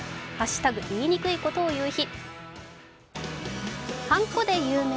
「＃いいにくいことをいう日」。